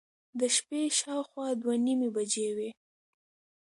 د شپې شاوخوا دوه نیمې بجې وې.